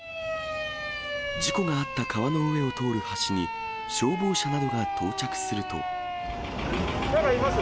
事故があった川の上を通る橋に、消防車などが到着すると。